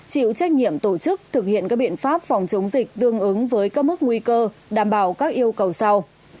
chịu trách nhiệm tổ chức thực hiện các biện pháp phòng chống dịch tương ứng với các mức nguy cơ đảm bảo các yêu cầu sau